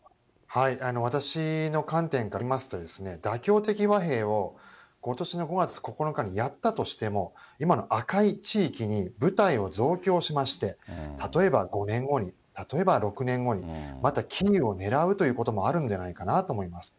私の観点から言いますと、妥協的和平をことしの５月９日にやったとしても、今の赤い地域に部隊を増強しまして、例えば５年後に、例えば６年後に、またキーウを狙うということもあるんではないかなと思います。